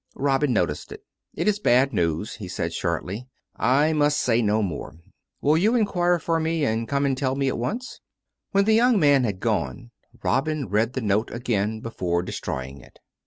Robin noticed it. " It is bad news," he said shortly. " I must say no more. ... Will you inquire for me; and come and tell me at once." When the young man had gone Robin read the note again before destroying it.